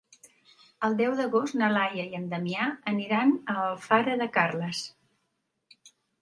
El deu d'agost na Laia i en Damià aniran a Alfara de Carles.